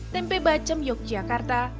tempe bacem yogyakarta